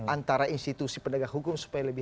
antara institusi penegak hukum supaya lebih